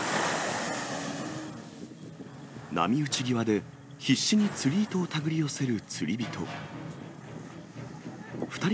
波打ち際で、必死に釣り糸を手繰り寄せる釣り人。